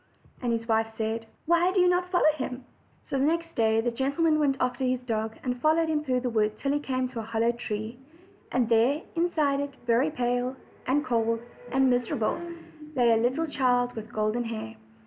And his wife said: "Why do you not follow him?" So the next day tne gentleman went after his dog, and followed him through the wood till he came to a hollow tree. And there, inside it, very pale, and cold, and miser able, lay a little child with golden hair.